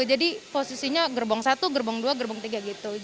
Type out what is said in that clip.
jadi posisinya gerbong satu gerbong dua gerbong tiga gitu